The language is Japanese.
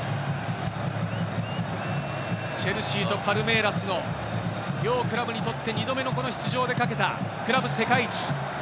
チェルシーとパルメイラスの両クラブにとって２度目の出場でかけたクラブ世界一。